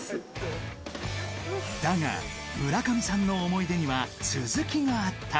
だが、村上さんの思い出には続きがあった。